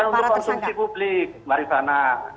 itu bukan untuk konsumsi publik mbak rifana